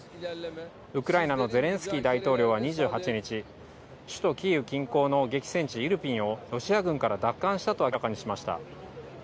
ウクライナのゼレンスキー大統領は２８日、首都キーウ近郊の激戦地、イルピンをロシア軍から奪還したと明らかにしました。